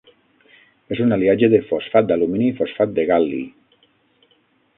És un aliatge de fosfat d'alumini i fosfat de gal·li.